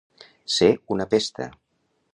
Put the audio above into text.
Ser una pesta.